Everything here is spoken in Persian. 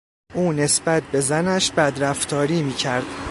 او نسبت به زنش بدرفتاری میکرد.